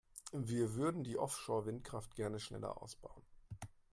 Wir würden die Offshore-Windkraft gerne schneller ausbauen.